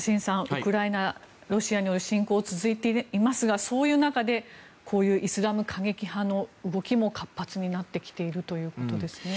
ウクライナ、ロシアによる侵攻が続いていますが、そういう中でこういうイスラム過激派の動きも活発になってきているということですね。